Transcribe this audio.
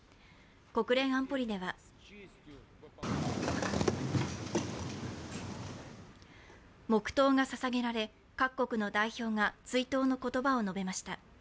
国連安保理では黙とうが捧げられ、各国の代表が追悼の言葉を述べました。